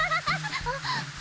あっ。